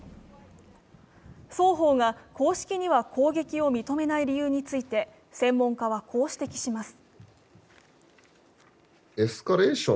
双方が公式には攻撃を認めない理由について専門家はこう指摘します。